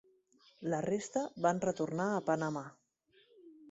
La resta van retornar a Panamà.